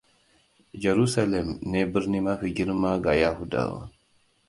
Jerusalem ne birni mafi girma ga Yahudawa.